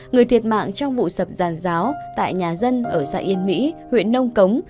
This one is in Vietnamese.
người thiệt mạng trong vụ sập giàn giáo tại nhà dân ở xã yên mỹ huyện nông cống